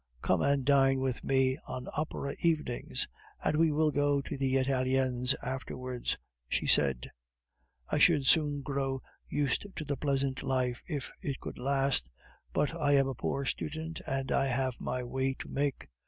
"Come and dine with me on opera evenings, and we will go to the Italiens afterwards," she said. "I should soon grow used to the pleasant life if it could last, but I am a poor student, and I have my way to make."